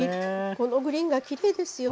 このグリーンがきれいですよね。